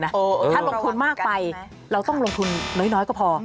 ถ้าลงทุนมากไปเราต้องลงทุนน้อยก็พอ